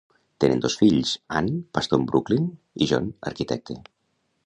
Tenen dos fills: Ann, pastor en Brooklyn, i John, arquitecte.